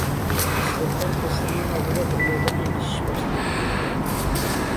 خىسلەتدار قەسىرنىڭ ئالدىدا بىر مەيدان ئېلىشىش باشلىنىپ كەتتى.